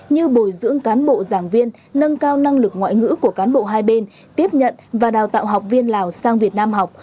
như bồi dưỡng cán bộ giảng viên nâng cao năng lực ngoại ngữ của cán bộ hai bên tiếp nhận và đào tạo học viên lào sang việt nam học